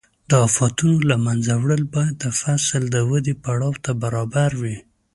د آفتونو له منځه وړل باید د فصل د ودې پړاو ته برابر وي.